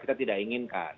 kita tidak inginkan